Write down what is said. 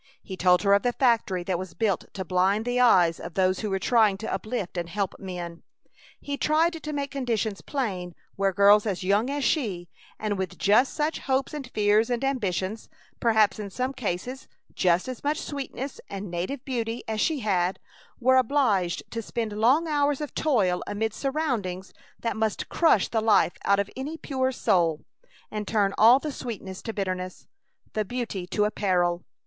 He told her of the factory that was built to blind the eyes of those who were trying to uplift and help men. He tried to make conditions plain where girls as young as she, and with just such hopes and fears and ambitions, perhaps in some cases just as much sweetness and native beauty as she had, were obliged to spend long hours of toil amid surroundings that must crush the life out of any pure soul, and turn all the sweetness to bitterness, the beauty to a peril!